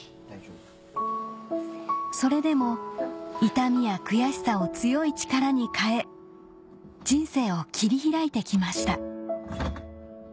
それでも痛みや悔しさを強い力に変え人生を切り開いてきました